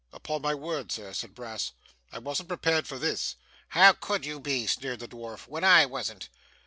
'Upon my word, Sir,' said Brass, 'I wasn't prepared for this ' 'How could you be?' sneered the dwarf, 'when I wasn't?